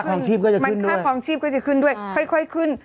ค่าความชีพก็จะด้วยเออค่อยขึ้น